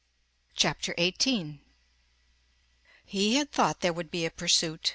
CHAPTER EIGHTEEN He had thought there would be a pursuit.